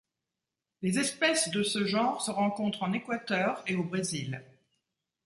Les espèces de ce genre se rencontrent en Équateur et au Brésil.